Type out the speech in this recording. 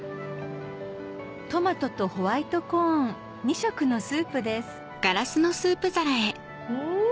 トマトとホワイトコーン２色のスープですん！